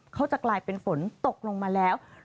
เขาจะกลายเป็นฝนตกลงมาแล้ว